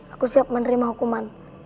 aku siap menerima hukuman